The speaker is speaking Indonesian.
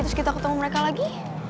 terus kita ketemu mereka lagi